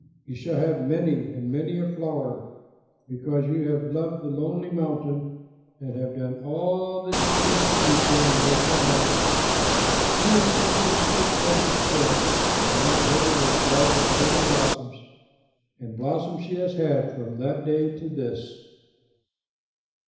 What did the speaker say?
You shall have many and many a flower, because you have loved the lonely mountain, and have done all that you could to please him and make him happy." Even before the sweet voice was still, the little heather was bright with many blossoms, and blossoms she has had from that day to this.